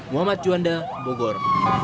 muhammad juanda bogor